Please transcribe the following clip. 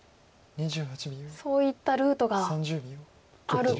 そういったルートがあるかもと。